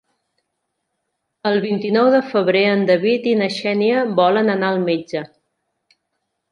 El vint-i-nou de febrer en David i na Xènia volen anar al metge.